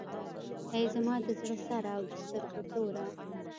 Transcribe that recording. ای زما د زړه سره او د سترګو توره.